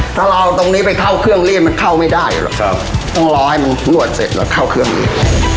ถ้าเราเอาตรงนี้ไปเข้าเครื่องเล่นมันเข้าไม่ได้หรอกครับต้องรอให้มันนวดเสร็จแล้วเข้าเครื่องเลย